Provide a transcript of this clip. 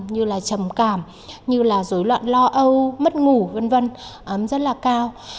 như là trầm cảm như là dối loạn lo âu mất ngủ vân vân rất là cao